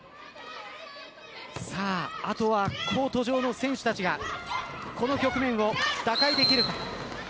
あとはコート上の選手たちがこの局面を打開できるか。